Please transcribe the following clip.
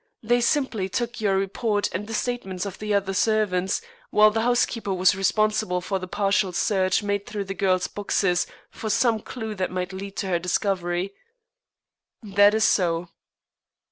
They simply took your report and the statements of the other servants, while the housekeeper was responsible for the partial search made through the girl's boxes for some clue that might lead to her discovery." "That is so."